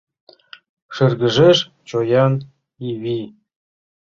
Шыргыжеш чоян Ивий: